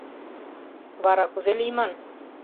Вара кузе лийман?